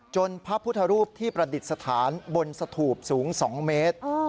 พระพุทธรูปที่ประดิษฐานบนสถูปสูง๒เมตร